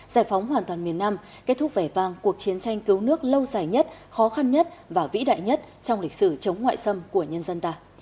giải phóng hoàn toàn miền nam kết thúc vẻ vang cuộc chiến tranh cứu nước lâu dài nhất khó khăn nhất và vĩ đại nhất trong lịch sử chống ngoại xâm của nhân dân ta